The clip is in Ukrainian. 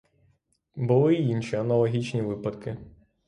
Були й інші аналогічні випадки.